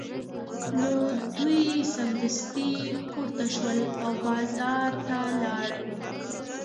نو دوی سمدستي پورته شول او بازار ته لاړل